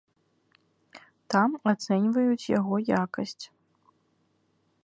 Там ацэньваюць яго якасць.